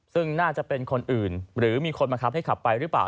ซึ่งน่าจะเป็นคนอื่นหรือมีคนบังคับให้ขับไปหรือเปล่า